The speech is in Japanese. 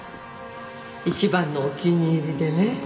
一番のお気に入りでね